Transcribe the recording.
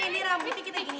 nih rambutnya kita gini